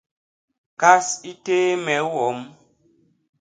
Kas i téé me i wom.